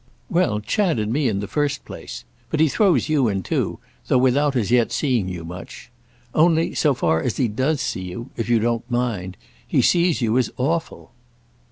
_" "Well, Chad and me in the first place. But he throws you in too, though without as yet seeing you much. Only, so far as he does see you—if you don't mind—he sees you as awful."